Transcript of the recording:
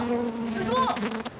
すごっ！